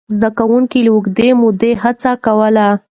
زده کوونکي له اوږدې مودې هڅه کوله.